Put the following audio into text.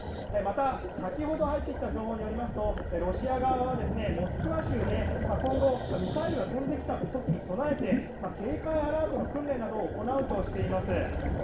また、先ほど入ってきた情報によりますとロシア側はモスクワ州で今後、ミサイルが飛んできた時に備えて警戒アラートの訓練などを行うとしています。